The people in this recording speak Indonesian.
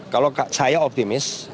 kalau saya optimis